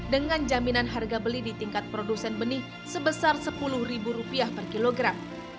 dengan jaminan harga beli di tingkat produsen benih sebesar rp sepuluh per kilogram